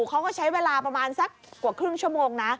เขาก็ใช้เวลาประมาณสักกว่าครึ่งชั่วโมงนะ